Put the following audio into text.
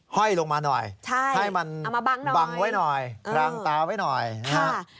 ห้อยลงมาหน่อยให้มันบังไว้หน่อยรางตาไว้หน่อยนะครับ